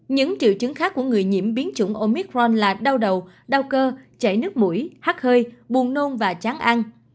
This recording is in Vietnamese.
những triệu chứng khác của người nhiễm biến chủng omicron là đau đầu đau cơ chảy nước mũi hắt hơi buồn nôn và chán ăn